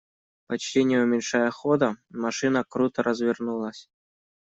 Почти не уменьшая хода, машина круто развернулась.